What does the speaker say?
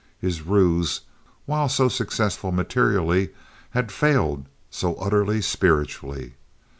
His ruse, while so successful materially, had failed so utterly spiritually.